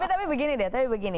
tapi begini deh